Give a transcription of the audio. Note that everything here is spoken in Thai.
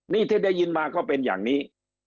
นี่ที่ได้ยินมาก็เป็นอย่างนี้